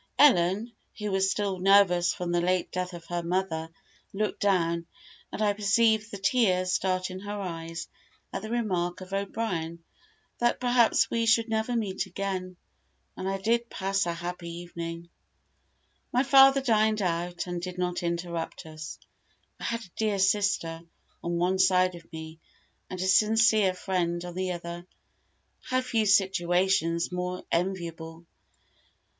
Ellen, who was still nervous from the late death of my mother, looked down, and I perceived the tears start in her eyes at the remark of O'Brien, that perhaps we should never meet again. And I did pass a happy evening: my father dined out, and did not interrupt us. I had a dear sister on one side of me, and a sincere friend on the other. How few situations more enviable.